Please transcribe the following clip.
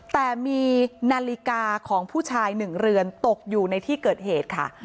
แต่มีนาฬิกาของผู้ชาย๑เรือนตกอยู่ในที่เกิดเหตุค่ะ